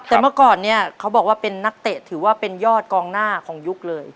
แต่เมื่อก่อนเนี่ยเขาบอกว่าเป็นนักเตะถือว่าเป็นยอดกองหน้าของยุคเลย